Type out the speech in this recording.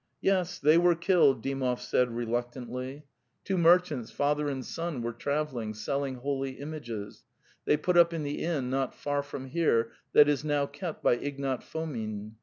"Yes, they were killed," Dymov said reluctantly. 246 The Tales of Chekhov '"Two merchants, father and son, were travelling, selling holy images. They put up in the inn not far from here that is now kept by Ignat Fomin.